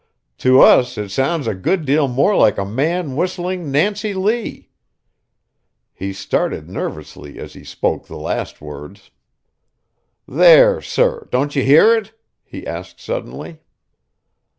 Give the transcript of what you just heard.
"To us it sounds a good deal more like a man whistling 'Nancy Lee.'" He started nervously as he spoke the last words. "There, sir, don't you hear it?" he asked suddenly.